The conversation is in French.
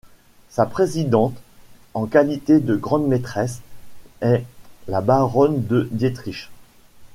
Sa présidente, en qualité de grande maîtresse, est la baronne de Dietrich.